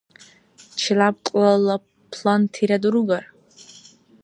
Челябкьлала плантира дургар?